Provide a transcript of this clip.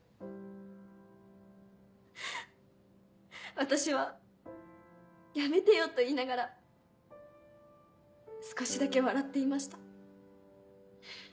私は「やめてよ」と言いながら少しだけ笑っていました。